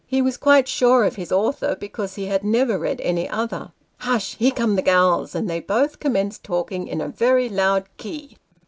He was quite sure of his author, because he had never read any other. " Hush ! Here come the gals," and they both commenced talking in a very loud key.